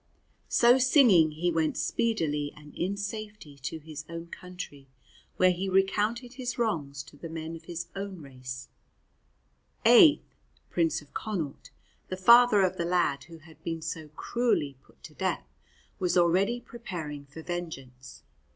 So singing he went speedily and in safety to his own country, where he recounted his wrongs to the men of his own race. Aedh, Prince of Connaught, the father of the lad who had been so cruelly put to death, was already preparing for vengeance.